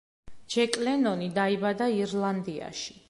ჯეკ ლენონი დაიბადა ირლანდიაში.